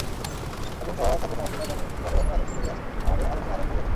সর্বংসহা সর্বক্ষমাশীলা জননীর প্রতি ভালবাসার আর্দশ লইয়া আমাদের আলোচনা আরম্ভ হইয়াছিল।